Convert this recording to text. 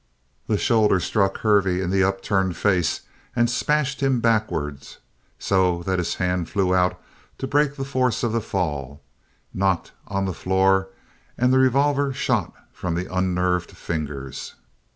The shoulder struck Hervey in the upturned face and smashed him backwards so that his hand flew out to break the force of the fall, knocked on the floor, and the revolver shot from the unnerved fingers.